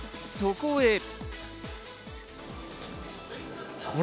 そこへ。